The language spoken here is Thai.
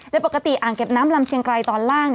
โดยปกติอ่างเก็บน้ำลำเชียงไกรตอนล่าง